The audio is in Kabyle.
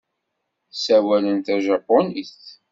Ssawalen tajapunit.